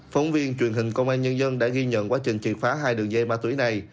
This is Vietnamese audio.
phóng viên truyền hình công an nhân dân đã ghi nhận quá trình triệt phá hai đường dây ma túy này